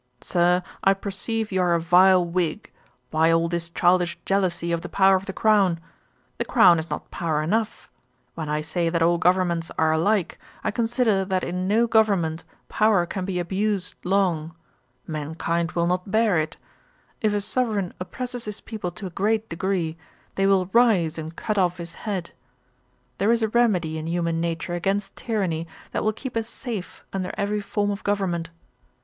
'Sir, I perceive you are a vile Whig. Why all this childish jealousy of the power of the crown? The crown has not power enough. When I say that all governments are alike, I consider that in no government power can be abused long. Mankind will not bear it. If a sovereign oppresses his people to a great degree, they will rise and cut off his head. There is a remedy in human nature against tyranny, that will keep us safe under every form of government.